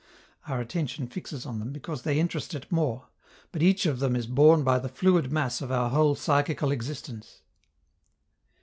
Our attention fixes on them because they interest it more, but each of them is borne by the fluid mass of our whole psychical existence.